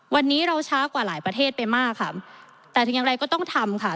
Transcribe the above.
วันนี้เราช้ากว่าหลายประเทศไปมากค่ะแต่ถึงอย่างไรก็ต้องทำค่ะ